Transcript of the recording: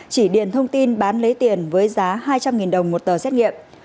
chỉ điền thông tin bán lấy tiền với giá hai trăm linh đồng một tờ xét nghiệm